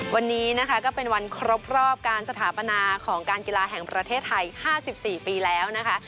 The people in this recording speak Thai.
วันนี้นะคะก็เป็นวันครบรอบการสถาปนาของการกีฬาแห่งประเทศไทย๕๔ปีแล้วนะคะ